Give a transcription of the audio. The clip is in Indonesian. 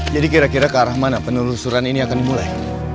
jadi kira kira ke arah mana penelusuran ini akan dimulai